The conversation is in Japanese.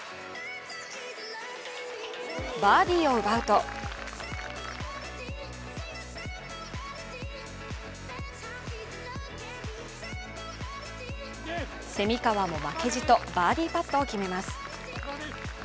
バーディーを奪うと蝉川も負けじとバーディーパットを決めます。